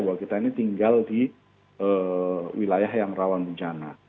bahwa kita ini tinggal di wilayah yang rawan bencana